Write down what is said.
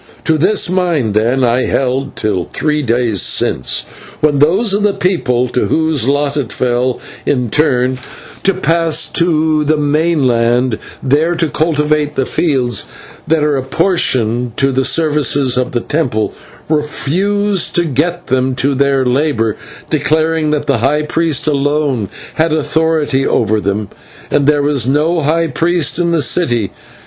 "To this mind, then, I held till three days since, when those of the people to whose lot it fell in turn to pass to the mainland, there to cultivate the fields that are apportioned to the service of the temple, refused to get them to their labour, declaring that the high priest alone had authority over them, and there was no high priest in the city.